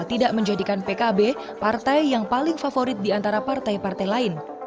tidak menjadikan pkb partai yang paling favorit di antara partai partai lain